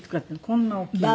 こんな大きいの。